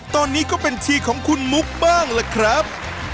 ตอนนี้ก็เป็นทีของคุณมุกบ้างล่ะครับ